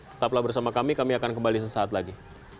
tetaplah bersama kami kami akan kembali sesaat lagi